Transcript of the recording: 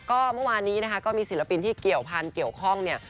ก็เมื่อวานนี้นะคะก็มีศิลปินที่เกี่ยวพันธุ์เกี่ยวข้องเนี่ย